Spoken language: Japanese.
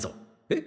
え？